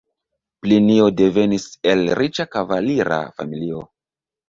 Plinio devenis el riĉa kavalira familio.